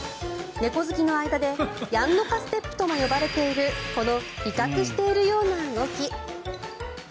猫好きの間でやんのかステップとも呼ばれているこの威嚇しているような動き。